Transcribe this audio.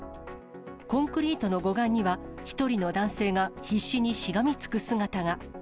コンクリートの護岸には、１人の男性が必死にしがみつく姿が。